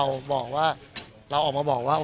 แต่ก็สบายใจขึ้นเนอะ